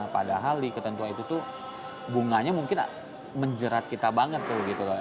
padahal di ketentuan itu tuh bunganya mungkin menjerat kita banget tuh gitu loh